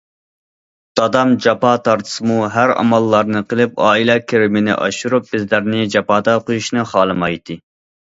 دادام جاپا تارتسىمۇ ھەر ئاماللارنى قىلىپ، ئائىلە كىرىمىنى ئاشۇرۇپ، بىزلەرنى جاپادا قۇيۇشنى خالىمايتتى.